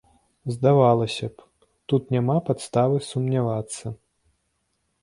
Здавалася б, тут няма падставы сумнявацца.